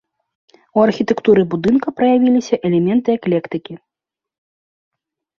У архітэктуры будынка праявіліся элементы эклектыкі.